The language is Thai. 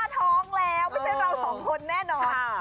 ท้องแล้วไม่ใช่เราสองคนแน่นอน